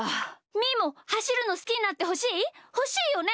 みーもはしるのすきになってほしい？ほしいよね！？